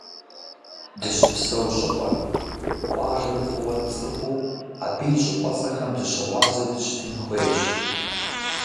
Дыщыпсэу щӏыпӏэр, къуажэр фӏыуэ тцӏыхуу, абы и щӏыпӏэцӏэхэм дыщыгъуазэу дыщытын хуейщ.